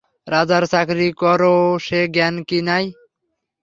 রাজার চাকরী কর সে জ্ঞান কি নাই?